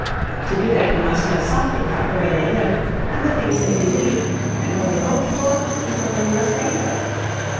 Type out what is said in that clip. To do that you must know something about the way they lived and the things they believed, and what they hoped for and what they were afraid of.